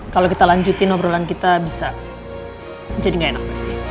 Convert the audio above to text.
kalau kita lanjutin obrolan kita bisa jadi nggak enak